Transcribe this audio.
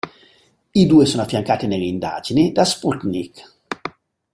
I due sono affiancati nelle indagini da Sputnik.